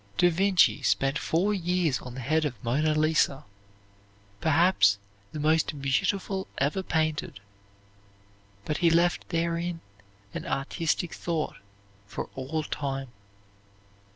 Da Vinci spent four years on the head of Mona Lisa, perhaps the most beautiful ever painted, but he left therein an artistic thought for all time.